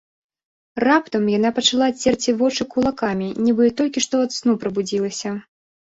Раптам яна пачала церці вочы кулакамі, нібы толькі што ад сну прабудзілася.